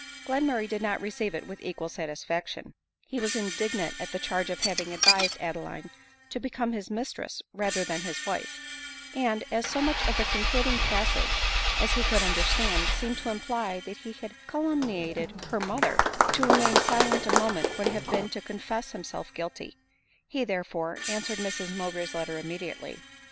Glenmurray did not receive it with equal satisfaction. He was indignant at the charge of having advised Ade line to become his mistress rather than his wife ; and as so much of the concluding passage as he could under stand seemed to imply that he had calumniated her mo ther, to remain silent a moment would have been to confess himself guilty ; he, therefore, answered Mrs Mowbray's letter immediately.